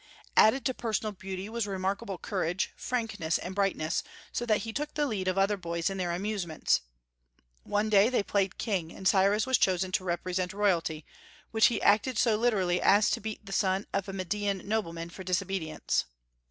Added to personal beauty was remarkable courage, frankness, and brightness, so that he took the lead of other boys in their amusements. One day they played king, and Cyrus was chosen to represent royalty, which he acted so literally as to beat the son of a Median nobleman for disobedience.